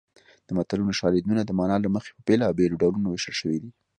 د متلونو شالیدونه د مانا له مخې په بېلابېلو ډولونو ویشل شوي دي